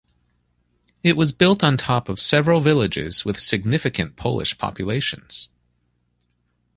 It was built on top of several villages with significant Polish populations.